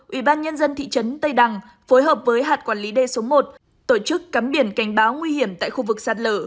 ủy ban nhân dân thị trấn tây đằng phối hợp với hạt quản lý đê số một tổ chức cắm biển cảnh báo nguy hiểm tại khu vực sạt lở